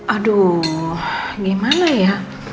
aduh gimana ya